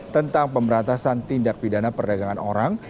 tentang pemberantasan tindak pidana perdagangan orang